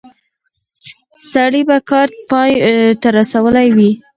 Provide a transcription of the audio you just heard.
سړی به کار پای ته رسولی وي.